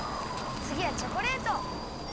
つぎはチョコレート！